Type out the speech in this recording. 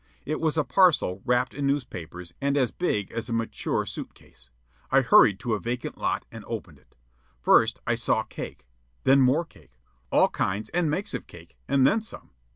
It was a parcel wrapped in newspapers and as big as a mature suit case. I hurried to a vacant lot and opened it. First, I saw cake, then more cake, all kinds and makes of cake, and then some.